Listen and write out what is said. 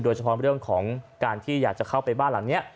เฉพาะเรื่องของการที่อยากจะเข้าไปบ้านหลังนี้